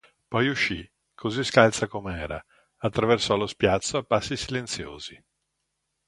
Poi uscì; così scalza come era, attraversò lo spiazzo a passi silenziosi.